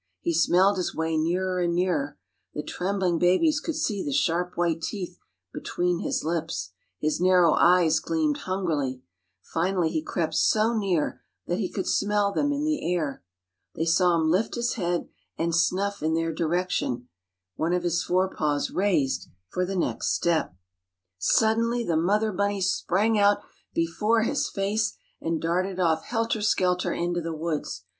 He smelled his way nearer and nearer. The trembling babies could see the sharp white teeth between his lips. His narrow eyes gleamed hungrily. Finally he crept so near that he could smell them in the air. They saw him lift his head and snuff in their direction, one of his fore paws raised for the next step. Suddenly the mother bunny sprang out before his face and darted off helter skelter into the woods.